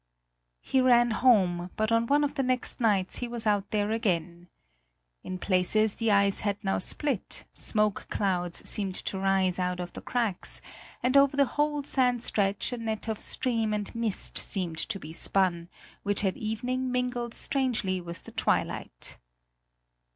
He ran home, but on one of the next nights he was out there again. In places the ice had now split; smoke clouds seemed to rise out of the cracks, and over the whole sand stretch a net of steam and mist seemed to be spun, which at evening mingled strangely with the twilight.